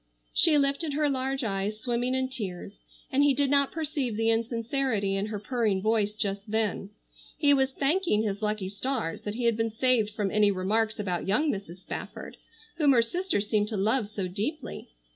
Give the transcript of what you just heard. She lifted her large eyes swimming in tears, and he did not perceive the insincerity in her purring voice just then. He was thanking his lucky stars that he had been saved from any remarks about young Mrs. Spafford, whom her sister seemed to love so deeply.